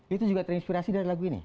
itu juga terinspirasi dari lagu ini